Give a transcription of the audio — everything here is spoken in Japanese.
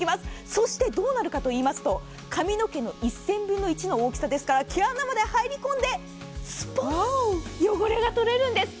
そしてどうなるかといいますと髪の毛の１０００分の１の大きさですから毛穴まで入り込んで汚れが取れるんです。